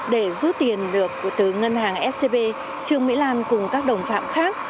để rút tiền được từ ngân hàng scb trương mỹ lan cùng các đồng phạm khác